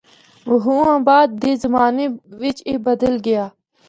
بہوں بعد دے زمانے وچ اے بدل گیا۔